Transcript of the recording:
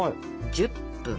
１０分。